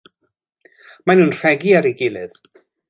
Mae nhw'n rhegi ar ei gilydd.